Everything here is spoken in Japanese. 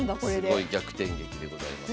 すごい逆転劇でございます。